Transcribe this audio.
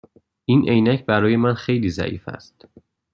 این عینک برای من خیلی ضعیف است.